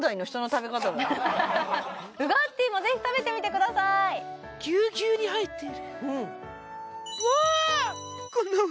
ウガッティーもぜひ食べてみてくださいうわあ！